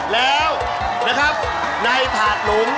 แล้วในถาดหลุง